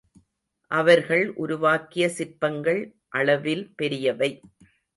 அவர்கள் உருவாக்கிய சிற்பங்கள் அளவில் பெரியவை.